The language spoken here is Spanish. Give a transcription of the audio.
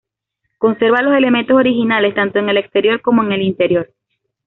Conserva los elementos originales tanto en el exterior como en el interior.